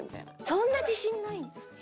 そんな自信ないんですか？